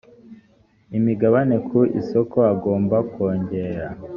imigabane ku isoko agomba kongera